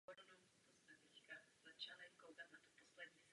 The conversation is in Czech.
Máme před sebou hodně práce.